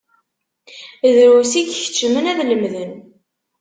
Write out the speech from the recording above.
Drus i ikeččmen ad lemden.